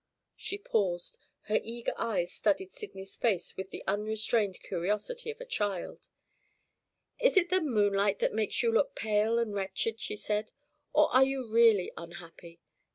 _" She paused; her eager eyes studied Sydney's face with the unrestrained curiosity of a child. "Is it the moonlight that makes you look pale and wretched?" she said. "Or are you really unhappy?